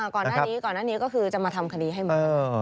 ก่อนหน้านี้ก่อนหน้านี้ก็คือจะมาทำคดีให้หมด